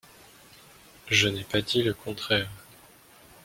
Je n’ai pas dit le contraire